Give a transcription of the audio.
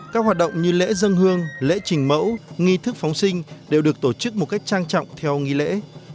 các hoạt động như lễ dân hương lễ trình mẫu nghi thức phóng sinh đều được tổ chức một cách trang trọng theo nghi lễ